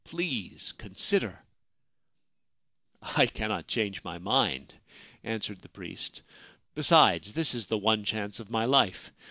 Please consider !'' I cannot change my mind/ answered the priest. ' Besides, this is the one chance of my life.